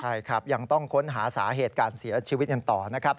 ใช่ครับยังต้องค้นหาสาเหตุการเสียชีวิตกันต่อนะครับ